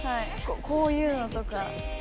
こういうのとか。